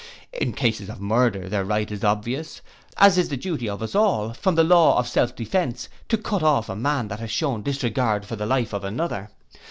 In cases of murder their right is obvious, as it is the duty of us all, from the law of self defence, to cut off that man who has shewn a disregard for the life of another.